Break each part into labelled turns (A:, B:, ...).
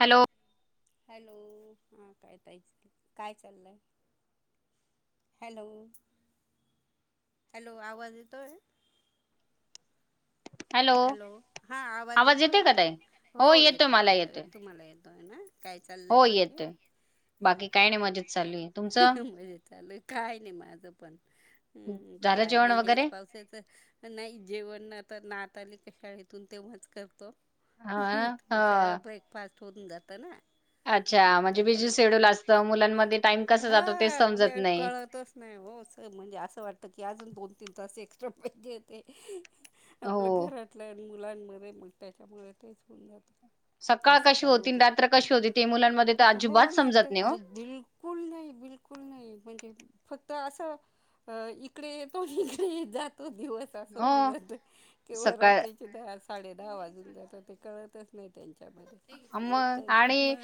A: Hello!
B: Hello हा काय ताई काय चाललंय हॅलो! हॅलो आवाज येतोय? हॅलो हा आवाज
A: येते
B: येतोय?
A: का ताई
B: हो
A: येतोय
B: येतो,
A: मला
B: येतो
A: येतोय
B: तुम्हाला येतोय ना, काय चाललंय
A: हो
B: बाकी.
A: येतोय बाकी काय नाही मजेत चालू आहे तुमचं
B: मजे चालूय काय नाही माझं पण. हूं
A: झालं
B: काय
A: जेवण
B: नाही
A: वगैरे
B: हेच पावसाचं नाही जेवण आता नात आली शाळे तून तेव्हाच करतो,
A: हा
B: थोडस
A: ह
B: ब्रेकफास्ट होऊन जातं ना.
A: अच्छा
B: मग
A: म्हणजे बिझी
B: त्याच्यामुळे
A: शेड्यूल असतं, मुलांमध्ये टाइम कसा
B: हा
A: जातो तेच समजत
B: वेळ
A: नाही
B: कळतच नाही हो, स म्हणजे असं वाटत की अजून दोन, तीन तास, एक्स्ट्रा पाहिजे होते
A: हो
B: आपलं घरातल मुलांमध्ये मग त्याच्यामुळे तेच होऊन जातं. मी
A: सकाळ कशी
B: सकाळी
A: होती,
B: उठले
A: रात्र कशी होती, ते मुलांमध्ये तर
B: हो
A: अजिबात
B: ना
A: समजत
B: ते
A: नाही हो.
B: आज बिलकुल नाही बिलकुल नाही म्हणजे, फक्त असं इकडे येतो इकडे जात तो दिवस अस होऊन
A: हो
B: जात, किंवा
A: सकाळ
B: रात्रीचे दहा साडे दहा वाजून जातत ते कळतच नाही त्यां
A: म आणि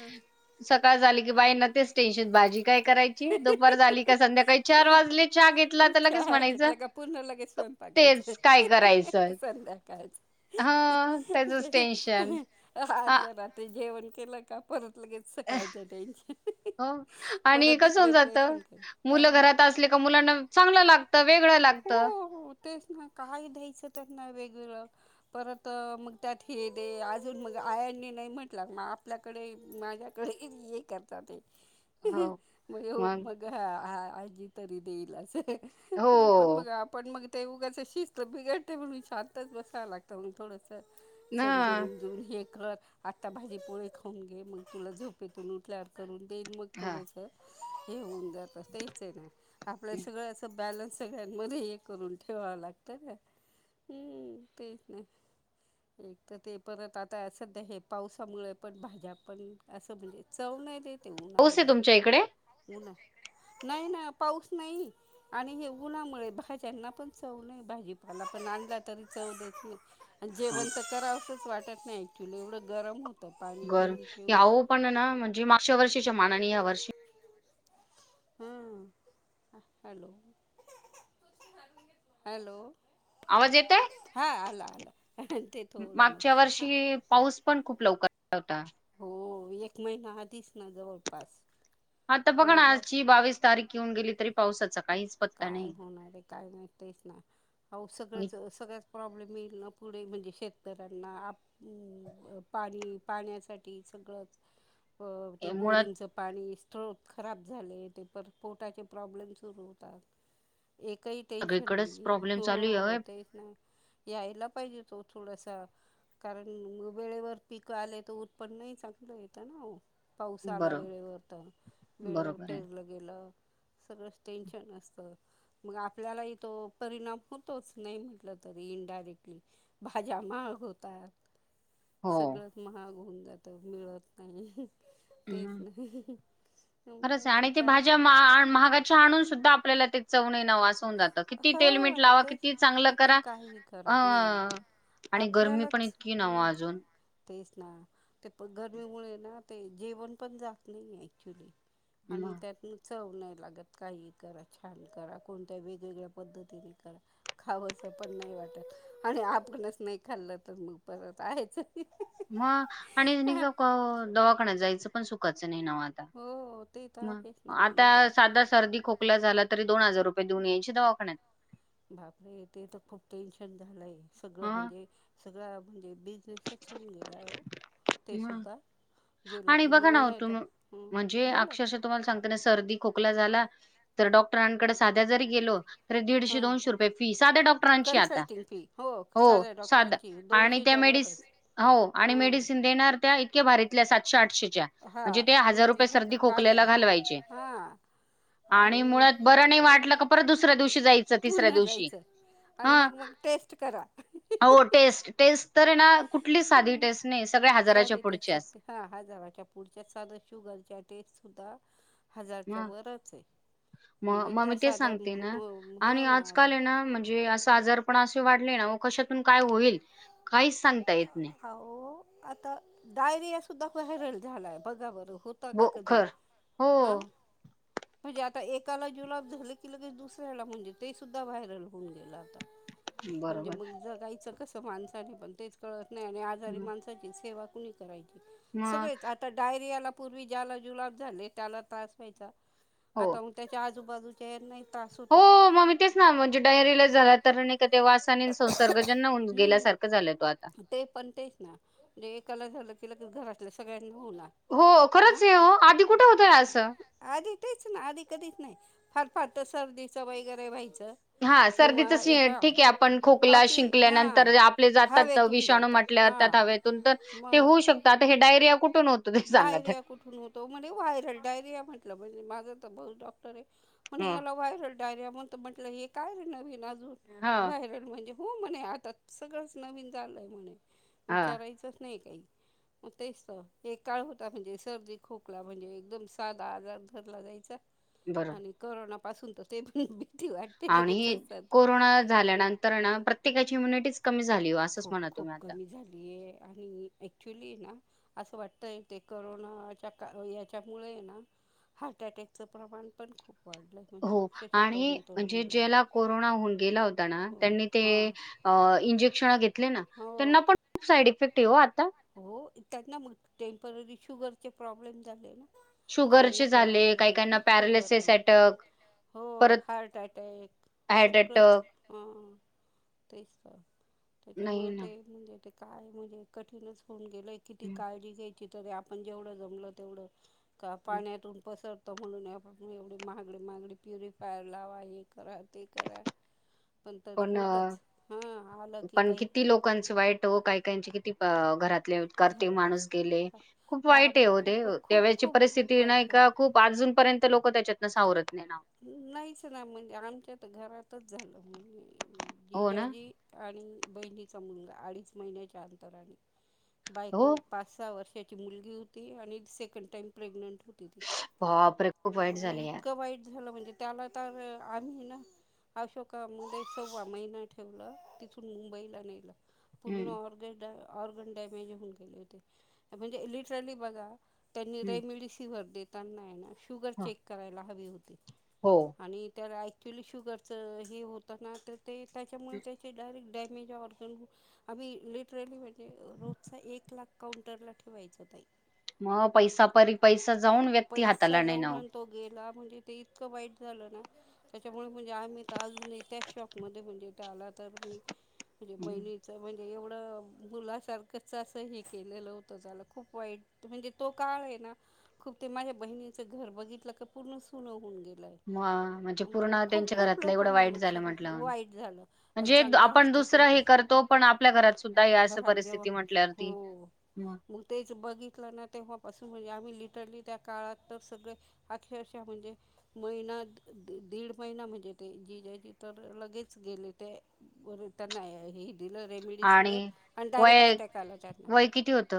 A: सकाळ झाली की बाई न तेच स्टे न भाजी काय
B: ते
A: करायची दुपार झाली का संध्याकाळी चार
B: तेच
A: वाजले, चाहा घेतला तर लगेच म्हणायचं
B: लागेच स्वयंपाकच
A: तेच काय करायचं
B: सध्याकाळ च
A: हां, त्याचंच
B: ते
A: टेन्शन.
B: [unintelligible]
A: आ
B: आदल्या रात्री जेवण केलं का, परत लगेच सकाळचं टेन्शन
A: हो
B: परत
A: आणि
B: ती
A: कस होऊन जात,
B: प्रिपरेशन कर
A: मुलं
B: हा
A: घरात असले का मुलांना चांगलं लागतं वेगळं लागत.
B: हो हो तेच ना काय दया असं त्यांना ना वेगवेगळं परत अ मग त्यात हे दे अजून मग आयानी नाही म्हटलं म आपल्याकडे माझ्याकडे ये ये करतात ते
A: हो,
B: म यो मग आ आजी तरी देईल अस
A: हो
B: आपण मग, आपण मग. ते उगाच शिस्त बिघडते म्हणून शांतच बसावं लागतं मंग थोडंस
A: ना.
B: समजून उमजून हे कर आत्ता भाजी पोळी खाऊन घे, मग तुला झोपेतून उठल्यावर करून ते म
A: हां,
B: थोडस हे होऊन जात तेच हे ना आपल्या
A: हं.
B: सगळ असं ब्यांल सगळ्यांमध्ये हे करून ठेवावं लागतं ना हम तेच ना एक त ते परत आता सध्या हे पावसामुळे पण भाज्या पण असं म्हणजे चव नाही देत.
A: पाऊस आहे तुमच्या इकडे?
B: उन्हा नाही ना पाऊस नाही आणि हे उन्हामुळे भाज्यांना पण चव नाही भाजीपाला पण आणला तरी चव देत नाही.
A: हो,
B: जेवण तर करावसंच वाटत नाही ऍक्च्युली एवढं गरम होत
A: गर याहो पण हं ना म्हणजे मागच्या वर्षीच्या मानाने या वर्षी
B: ह हॅलो हॅलो!
A: आवाज येतोय?
B: हां आला आला ते थोडं मग
A: मागच्या
B: हां
A: वर्षी पाऊस पण खूप लवकर आला होता.
B: हो एक महिना आधीच ना जवळपास.
A: आता बघाना
B: पहिला
A: आजची बावीस तारीख येऊन गेली तरी पावसाचा काहीच पत्ता नाही.
B: सगच सगळाच प्रॉब्लेम येईल ना पुढे म्हणजे शेतकऱ्यांना पाणी पाण्यासाठी सगळंच ते
A: इ- मुळात
B: बोरिंगच पाणी खराब झाले ते प पोटाचे प्रॉब्लेम सुरू होतात. एकही टेन्शन
A: सगळीकडेच
B: नाहीे
A: प्रॉब्लेम
B: हॊ
A: चालू
B: हो
A: आहे.
B: तेच नाही यायला पाहिजे तो थोडासा कारण वेळेवर पीक आले तर उत पण नाही चांगलं येतं ना? पाऊस आला
A: बरं.
B: वेळेवर तर वेळेवर
A: बरोबर आहे.
B: पेरलं गेलं सगळ टेन्शन असतं मग आपल्याला इथे तो परिणाम होतोच नाही म्हटलं तर तरी इनडायरेक्टली भाज्या महाग होतात
A: हो.
B: सगळंत महाग होऊन जात मिळत नाही तेच नाही
A: खरंच आहे
B: बाकी
A: आणि ते
B: काय
A: भाज्या महागाच्या आणून सुद्धा आपल्याला तेच चव नाही आजू जात किती तेल
B: ना
A: मट
B: वास हा
A: लावा
B: तेच
A: किती
B: ना,
A: चांगलं
B: किती
A: करा
B: काही करा
A: अ
B: हा
A: आणि गरमी पण
B: आपल्यालाच
A: इतकी नव
B: हम्म
A: अजून
B: तेच ते पन गरमीमुळे ना ते जेवण पण जात नाही ऍक्च्युली आणि
A: मग
B: त्यातन चव नाही लागतं काही करा छान करा कोणत्या भीत वेगवेगळ्या पद्धतीने करा खावं असं पण नाही वाटतं आणि आपणच नाही खाल्लं तर मग परत आहेच.
A: मग आणि का दवाखान्यात जायचं पण सुखाचं नाही नाव आता
B: हो ते तर आहेच ना मग त्या
A: आता साधा सर्दी खोकला झाला तरी दोन हजार रुपये देऊन याची दवाखान्यात
B: बापरे ते तर खूप टेन्शन झालंय सगळं म्हणजे सगळं आप म्हणजे बिझनेसच होऊन गेलाय हो ते सुद्धा गेलं
A: आणि
B: की
A: बघा
B: मग
A: ना
B: नाही तर
A: तुम्ही
B: हं
A: म्हणजे
B: बोला
A: अक्षरशः तुम्हाला सांगता ना सर्दी खोकला झाला तर डॉक्टरांकडे साध्या जरी गेलो दीडशे
B: हां
A: दोनशे रुपये फी साध्या डॉक्टरांची आता
B: कन्सल्टिंग फी
A: हो साध आणि त्यामुळे मेडि
B: बरंच
A: हो आणि मेडिसन देणार त्या इतक्या भारीतल्या सातशे आठशेच्या
B: हा
A: म्हणजे ते हजार
B: म्हणजे
A: रुपये
B: झालं
A: सर्दी खोकल्याला
B: हजार
A: घालवायचे
B: हा.
A: आणि मुळात बरं नाही वाटलं का परत दुसऱ्या दिवशी जायचं तिसऱ्या
B: पुन्हा
A: दिवशी
B: जायचं आणि
A: हा
B: मग मग टेस्ट करा
A: टेस्ट टेस्ट तर ना कुठली साधी टेस्ट नाहीस
B: साधे टेस्ट हा हजाराच्या पुढच्या साध शुगर टेस्ट सुद्धा हजारच्या वरच आहे.
A: म
B: म्हणजे
A: मग
B: त्या
A: मी ते
B: साध्या
A: सांगते ना
B: हो
A: आणि
B: हो ना मग
A: आजकाल आहे ना म्हणजे असं आजार पण असे वाटले कशातून काय होईल काही सांगता येत नाही.
B: आहो आता डायरिया सुद्धा व्हायरल झालाय बघा बर
A: ब खरं हो
B: म्हणजे आता एकाला जुलाब झाले की लगेच दुसऱ्याला म्हणजे ते सुद्धा व्हायरल होऊन गेलं आता म्हणजे
A: बरोबर.
B: मग जगायचं कस माणसाने पण तेच कळतं नाही आणि आजारी
A: हं,
B: माणसाची सेवा कणी करायची
A: मग
B: सगळेच आता डायरियाला पूर्वी ज्याला जुलाब झाले त्याला त्रास व्हायचा
A: हो.
B: आता त्याच्या आजूबाजूच्याना नाही
A: हो मगी तेच ना म्हणजे डायरीला झाला तर ते वासानी संसर्ग जनना गेल्यासारखं
B: हम्म
A: झालं तो आता
B: ते पण तेच ना म्हणजे एकाला झालं की घरातल्या सगळ्यांना ला
A: हो खरंच आहे हो आधी कुठे होतं ना असं.
B: आधी तेच ना आधी कधीच नाही फार फार तर सर्दीच वगैरे व्हायचं
A: हा
B: किंवा
A: सर्दीच ठीक आहे आपण
B: हां
A: खोकला
B: बाकी हां
A: शिंकल्यानंतर आपले जातात
B: हवेतून
A: विषाणू
B: जातात
A: म्हटल्या त्याात
B: हां
A: हवतून तर ते
B: मग
A: होऊ शकतात डायरिया कुठून होतं ते सांगा तर.
B: डायरिया कुठून होतो म्हणजे व्हायरल डायरिया म्हंटलं म्हणजे माझं तर भाऊ डॉक्टर आहे.. म्हण
A: हं.
B: याला व्हायरल डायरिया म्हणत म्हंटलं हे काय नवीन अजून
A: हां.
B: व्हायरल म्हणजे.. हो म्हणे आता सगळंच नवीन झालंय म्हणे
A: हा
B: विचारायचंच नाही. [unintelligible] एक काळ होता म्हणजे सर्दी खोकला म्हणजे एकदम साधा आजार धरला जायचा.
A: बरोबर
B: आणि करोना पासून तर ते पण.. भीती वाटते
A: आणि
B: लगेचच सर्दी खोकला
A: कोरोना झाल्यानंतर प्रत्येकाची इम्युनिटीचं कमी... झाली हो असंच
B: खूप
A: म्हणा
B: खूप
A: तुम्ही आता.
B: कमी झालीय आणि ऍक्च्युली हाय ना... असं वाटतय ते करोनाच्या का याच्यामुळे ना.. हार्ट अटॅकचं प्रमाण पण खूप
A: हो
B: [unintelligible]
A: आणि
B: तरुण तरुण
A: म्हणजे
B: मुलांनी
A: ज्याला कोरोना होऊन गेला होता ना,
B: हो
A: त्यांनी तें
B: हां
A: इंजेकशन घेतली घेतली ना
B: हो
A: त्यांना पन खूप साईड इफेक्ट हाय ओ.
B: हो त्यां ना मग टेम्पररी शुगरचे प्रॉब्लेम झाले. ज्यांना
A: शुगरचे झाले
B: करोना
A: काही काहीना
B: ना शुगर
A: पॅरालिसिस
B: आले
A: अटक...
B: हो हार्ट अटॅक
A: हार्ट
B: सगळंच
A: अटॅक
B: ह तेच.
A: नाही
B: त्याच्यामुळे
A: ना.
B: ते म्हणजे ते काय म्हणजे कठीणच होऊन गेलंय किती
A: हं,
B: काळजी घ्यायची की तरी आपण जेवढं जमलं तेवढं का
A: हं.
B: पाण्यातून पसरत.. म्हणून आपण एवढी मागडी मागडी प्युरिफायर लावा हे करा ते करा. तरी
A: पण
B: होतच हां आलं की
A: पण
B: काही
A: किती लोकांच वाईट काय काहीचे किती घरात.. तें करते
B: घर बस
A: माणूस गेले, खूप
B: हा
A: वाईट हाय ओ
B: खूप
A: तें त्या
B: खूप
A: वेलची
B: खूप खूप
A: परिस्थिती ना
B: वाईट झालं.
A: एका खूप अजून र्यंत लोक त्याच्या
B: नाहीच ना म्हणजे आमच्या तर घरातच झालं.
A: हो ना
B: जिजाजी आणि बहिणीचा मुलगा अडीच महिन्याच्या अंतराने..
A: हो
B: बायको पाच सहा वर्षाची मुलगी होती आणि सेकंड टाइम प्रेग्नेंट...
A: वापरे खूप वाईट झालेयार.
B: इतकं वाईट झालं म्हणजे त्याला तर आम्ही ना... [unintelligible] मुंबईत सव्वा महिना ठेवलं तिथून मुंबईला नेलं. पूर्ण
A: हम्म
B: ऑ ऑर्गन डॅमेज होऊन गले होते म्हणजे इलिटरली बघा त्यांनी
A: हम्म
B: रेमदि शिवर देताना शुगर चेक करायला हवी होती.
A: हो.
B: आणि त्याला ऍक्च्युली शुगरच हे होत ना. ते त्याच्यामुळे त्याचे डायरेक्ट डे ्ही जे ऑर्गन आम्ही लिटरली म्हणजे रोजचा एक लाख काउंटरला ठेवायचं.
A: मग पैसापरी पैसा जाऊन व्यक्ती
B: पैसा
A: हाताला नाही
B: जाऊन
A: ना ओ.
B: आणि तो गेला म्हणजे ते इतकं वाईट झालं ना त्याच्यामुळे म्हणजे आम्ही तर अजून त्याच शॉकमध्ये म्हणजेथ आला तर म्हणे बहिणीच म्हणजे एवढं.. मुलासारखं हे केलेलं होत झालं खूप वाईट म्हणजे तो काळ आहे ना खूप ते माझ्या बहिणीचं घर बघितलं का पूर्ण सुनं होऊन गेल.
A: म म्हणजे
B: मग
A: पूर्ण
B: खूप
A: त्यांच्या
B: खूप
A: घरातलं एवढं
B: लोकांना
A: वाईट झालं
B: नुकसान वाईट झालं आणि चांगला
A: दुसर
B: खेळता
A: हे करतो पण आपल्या घरात सुद्धा या अस
B: घरात जेव्हा
A: परिस्थिती म्हटल्यावर ती.
B: हो मग तेच बघितलं ना तेव्हापासून... म्हणे आम्ही लिटरली त्या काळात तर सगळे अक्सर म्हणजे महिना दीड महिना म्हणजे ते जी ज्याची तर लगेच गेले ते. [unintelligible] दिलं
A: आणि
B: रेमडसिवीर आणि डायरेक्ट
A: वय
B: आटॅक आला त्याना.
A: वय किती होतं?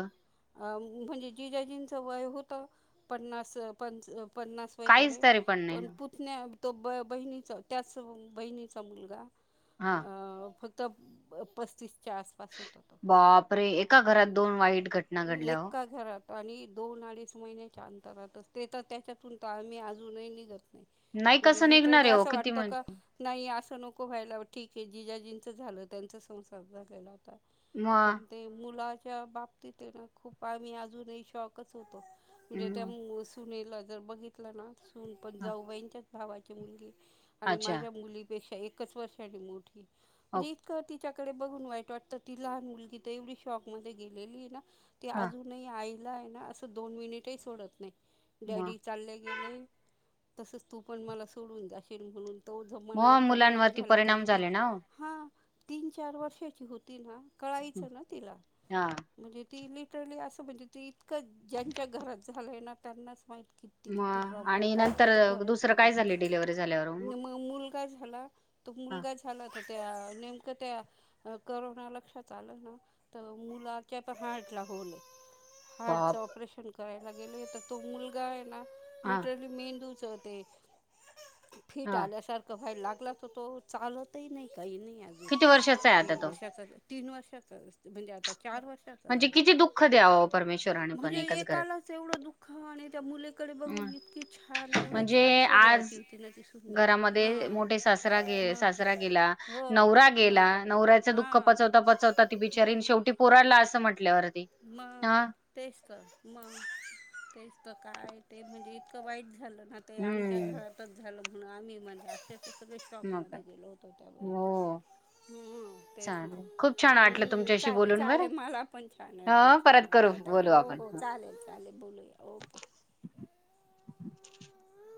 B: अ म्हणजे जी जा जींचं वय होतं पन्नास पंच
A: काहीच
B: वगैरे
A: तरी पण नाही नाय.
B: पुतण्या तो बहिणीचा त्याच बहिणीचा मुलगा
A: हा.
B: अ, फक्त तो पस आसपास होता
A: बाप रे एका घरात दोन वाईट घट
B: एका घरात. आणि दोन अडीच महिन्याच्या अंतरातचत ते तर त्याच्यातून तर आम्ही अजूनही निघत
A: नाही
B: म्हणजे
A: कसं निघणार
B: लिटरली
A: आहे हो
B: असं
A: किती
B: वाटत का
A: म्हणजे
B: नाही असं नको व्हायला ठीक की जीजाजींचं झालं त्यांचा संसार झालेला होता
A: मग
B: पण ते मुलाच्या बाप तिथे ना खूप आम्ही अजूनही शॉकच होतो म्हणजे त्या
A: हं,
B: सुने र बघितलं ना सून पण
A: हं.
B: जाऊबाईच्या भावाची मुलगी आणि
A: अच्छा
B: माझ्या मुली पेक्ष्या एकच वर्षा मोठी
A: ओ
B: म्हणजे इतक, त्याच्याकडे बघून वाईट वाटत ती लहान मुलगी तर एवढी शॉक मध्ये गेलेली ना ती
A: हा
B: अजूनही आई आहे ना असं दोन मिनिटही सोडत नाही
A: मग
B: डॅडी चालले गेले. तसच तू पण मला सोडून जाशेील म्हणून. तो जो मनावर
A: मग
B: परिणाम
A: मुलांवरती
B: झाला कारण
A: परिणाम
B: ती
A: झाले ना हो
B: हा तीन चार वर्षाची होती ना. कळायचं ना तिला
A: हा
B: म्हणजे ती लिटरली असं म्हणजे ती इतकं ज्यांच्या घरात झालंय ना त्यांनाच माहित किती किती
A: मग
B: प्रॉब्लेम
A: आणि
B: काय
A: नंतर
B: काही घर सुर
A: दुसरं काय झाले डिलिव्हरी झाल्यावर
B: मग मुलगा झाला तो
A: हा
B: मुलगा झाला तर त्याेव्हा, नेणं त्या करोना लक्षात आलं ना तर मुलाच्या पण हार्ट ला होले हाय. हार्टच
A: बाप
B: ऑपरेशन करायला गेले तर तो मुलगा आहे ना
A: हा
B: लिटरली मेंदू च ते फिट
A: हा
B: आल्यासारखं व्हाईला लागला तर तो चालतही नाही. काही नाही आजून,
A: किती वर्षाचा आहे आता
B: तीन
A: तो
B: वर्षाचा तीन वर्षाचा म्हणजे आता चार वर्ष चा
A: म्हणजे
B: झाला.
A: किती दुःख द्यावं परमेश्वराने पण
B: म्हणजे
A: एकाच घरात
B: एकालाच एवढ दुःख आणि त्या मु तकडे
A: हं,
B: बघून इतकी छान एवढी
A: म्हणजे
B: छान
A: आज
B: स्वभावाची होती ना तसून बाई
A: घरामध्ये
B: हा.
A: मोठे सासरा गे
B: मग
A: सासरा गेला
B: हो
A: नवरा गेला
B: नवरा आहे
A: नवऱ्याचं दुःख
B: हां
A: पचवता पचवता ती बिचारीन
B: मग.
A: शेवटी पोराला असं म्हटल्यावरती
B: म
A: हा
B: तेसकर म तेस. तर काय ते म्हणजे इतकं वाईट झालं ना ते आमच्या
A: हम्म
B: घरातच झालं म्हणून आम्ही म्हणजे असे. सगळे
A: मग
B: स्टॉकमध्ये
A: काय
B: द गेलो होतो त्या वेळेस.
A: हो
B: हम्म तेच ना
A: चालेल खूप छान वाटलं
B: हम्म
A: तुमच्याशी
B: चालेल
A: बोलून बरं
B: चालेल मला पण फोन आहे. म्हट
A: ह परत करू
B: चालेलं ताई
A: बोलू
B: हो
A: आपण
B: हो चालेल चालेल बोलूया ओके.
A: [unintelligible]